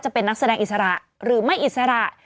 จะเป็นนักแสดงอิสระหรือไม่อิสระ